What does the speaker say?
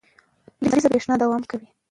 لمریزه برېښنا دوام کوي.